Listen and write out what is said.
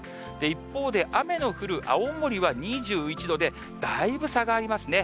一方で、雨の降る青森は２１度で、だいぶ差がありますね。